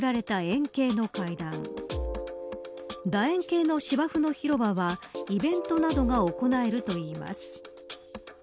楕円形の芝生の広場はイベントなどが行えるといいます。